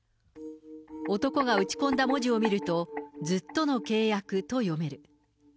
男が打ち込んだ文字を見ると、ズットノケイヤクと読める。